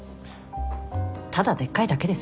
ただでっかいだけです。